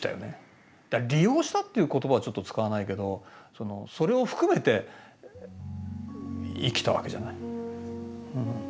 利用したっていう言葉はちょっと使わないけどそれを含めて生きたわけじゃない。